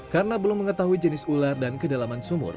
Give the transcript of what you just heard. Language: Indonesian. karena belum mengetahui jenis ular dan kedalaman sumur